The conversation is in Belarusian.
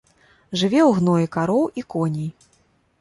Жыве ў гноі кароў і коней.